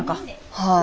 はい。